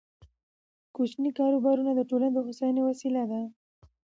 کوچني کاروبارونه د ټولنې د هوساینې وسیله ده.